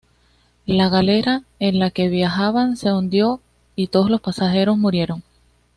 La galera en la que viajaban se hundió y todos los pasajeros murieron.